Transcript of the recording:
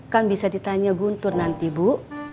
kan bisa ditanya guntur nanti bu